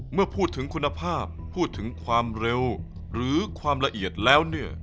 เมื่อพูดถึงคุณภาพพูดถึงความเร็วหรือความละเอียดแล้วเนี่ย